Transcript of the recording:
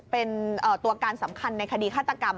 เป็นตัวการสำคัญในคดีฆาตกรรม